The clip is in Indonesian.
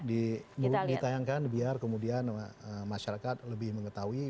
ditayangkan biar kemudian masyarakat lebih mengetahui